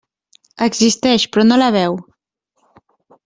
Existeix, però no la veu.